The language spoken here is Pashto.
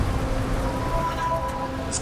ټپې وایو به یوبل ته غزلونه پر اټک